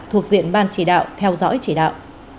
thuộc diện ban chỉ đạo theo dõi chỉ đạo